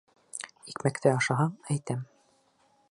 Икмәкте ашаһаң, әйтәм.